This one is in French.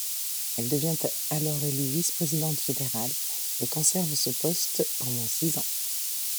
Elle devient alors élue vice-présidente fédérale et conserve ce poste pendant six ans.